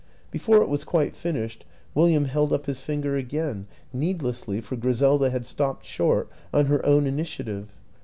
Before it was quite finished, William held up his finger again needlessly, for Griselda had stopped short on her own initiative.